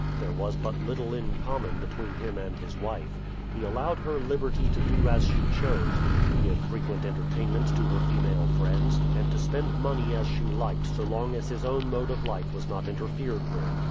There was but little in common between him and his wife. He allowed her liberty to do as she chose, to give frequent entertainments to her female friends, and to spend money as she liked so long as his own mode of life was not interfered with.